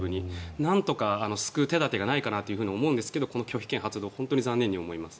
なんとか救う手立てがないかなと思うんですがこの拒否権発動本当に残念に思います。